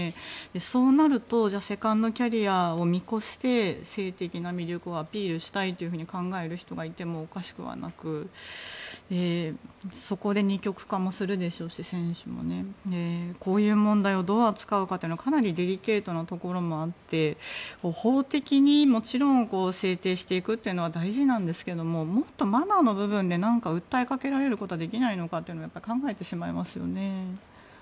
そうなると、セカンドキャリアを見越して性的な魅力をアピールしたいと考える人がいてもおかしくはなくそこで二極化もするでしょうし選手もこういう問題をどう扱うかはかなりデリケートなところもあって法的にもちろん制定していくというのは大事ですがもっとマナーの部分で何か訴えかけられることはできないのかって考えてしまいますよね。